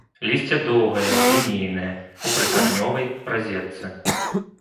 Лісце доўгае, лінейнае, у прыкаранёвай разетцы.